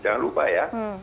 jangan lupa ya